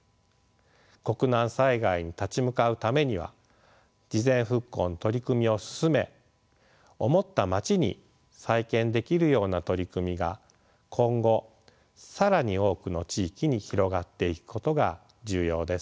国難災害に立ち向かうためには事前復興の取り組みを進め思ったまちに再建できるような取り組みが今後更に多くの地域に広がっていくことが重要です。